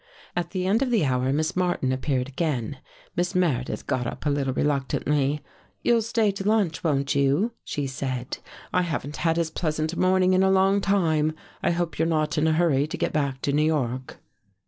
" At the end of the hour, Miss Martin appeared again. Miss Meredith got up a little reluctantly. 'You'll stay to lunch, won't you?' she said. 'I haven't had as pleasant a morning in a long time. I hope you're not in a hurry to get back to New York.